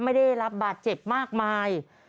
ไม่ได้รับบาดเจ็บมากมาย